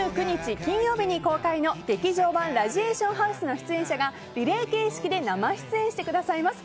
金曜日に公開の「劇場版ラジエーションハウス」の出演者がリレー形式で生出演してくださいます。